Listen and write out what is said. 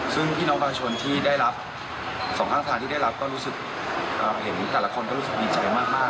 ซึ่งพี่น้องประชาชนที่ได้รับสองข้างทางที่ได้รับก็รู้สึกเห็นแต่ละคนก็รู้สึกดีใจมาก